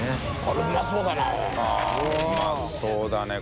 これうまそうだな。